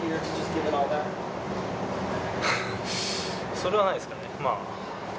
それはないですかね。